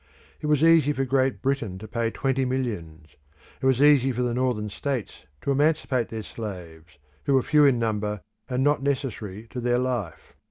It was easy for Great Britain to pay twenty millions; it was easy for the Northern states to emancipate their slaves, who were few in number, and not necessary to their life.